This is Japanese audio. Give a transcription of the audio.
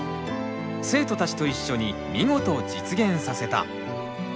生徒たちと一緒に見事実現させた。